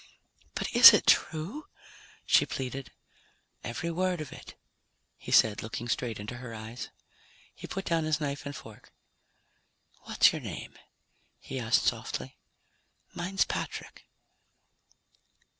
"But it is true?" she pleaded. "Every word of it," he said, looking straight into her eyes. He put down his knife and fork. "What's your name?" he asked softly. "Mine's Patrick."